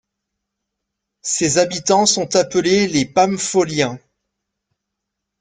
Ses habitants sont appelés les Pamfoliens.